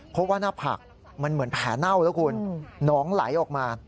เพราะว่าหน้าผักมันเหมือนแผลเน่าแล้วคุณหนองไหลออกมา